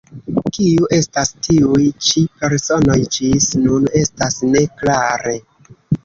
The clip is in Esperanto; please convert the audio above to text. Kiu estas tiuj ĉi personoj, ĝis nun estas ne klare.